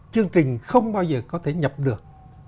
chương trình không bao giờ có thể nhập được